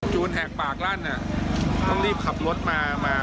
แหกปากลั่นต้องรีบขับรถมามา